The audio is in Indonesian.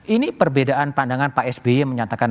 ini perbedaan pandangan pak sby menyatakan